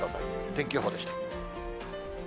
天気予報でした。